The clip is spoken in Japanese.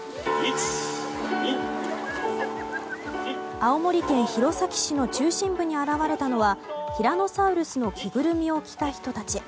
青森県弘前市の中心部に現れたのはティラノサウルスの着ぐるみを着た人たち。